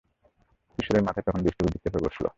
কিশোরের মাথায় তখন দুষ্টু বুদ্ধি চেপে বসলো।